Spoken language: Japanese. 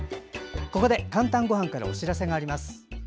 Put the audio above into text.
ここで「かんたんごはん」からお知らせがあります。